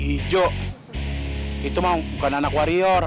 ijo itu mah bukan anak warior